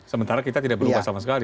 sementara kita tidak berubah sama sekali